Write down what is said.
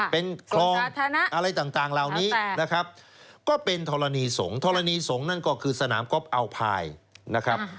เป็นครองอะไรต่างราวนี้นะครับก็เป็นทรณีสงศ์ทรณีสงศ์นั่นก็คือสนามก็เอาภายนะครับ